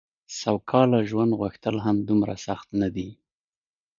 سوکاله ژوند غوښتل هم دومره سخت نه دي.